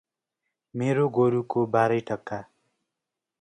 मेरो गोरु को बाररै टक्का